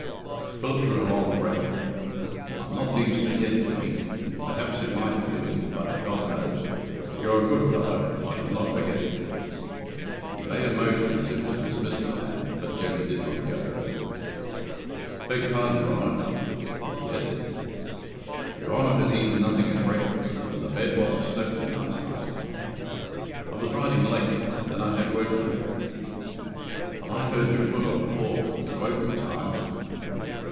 Phillip drew a long breath. "I am not Deemster yet, Jemmy. Perhaps it might have been... but God knows. You are a good fellow I shall not forget it." He made a motion as if to dismiss the man, but Jemmy did not go. "Beg pardon, your honor " "Yes?" "Your honour has eaten nothing at breakfast and the bed wasn't slept in last night." "I was riding late then I had work to do." "But I heard your foot on the floor it woke me times."